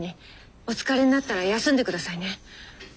お疲れになったら休んでくださいね。